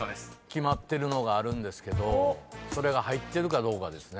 決まってるのがあるんですけどそれが入ってるかどうかですね。